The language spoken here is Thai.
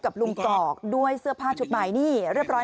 นั่งเฉยนั่งเฉยนั่งเฉย